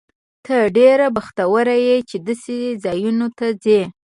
ته ډېر بختور یې، چې داسې ځایونو ته ځې.